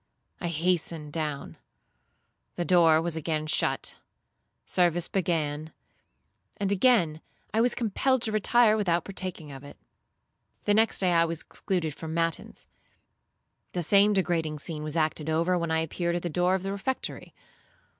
I hastened down. The door was again shut; service began; and again I was compelled to retire without partaking of it. The next day I was excluded from matins; the same degrading scene was acted over when I appeared at the door of the refectory.